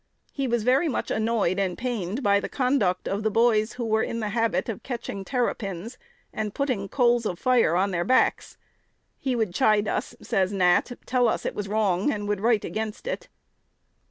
He was very much annoyed and pained by the conduct of the boys, who were in the habit of catching terrapins, and putting coals of fire on their backs. "He would chide us," says Nat, "tell us it was wrong, and would write against it."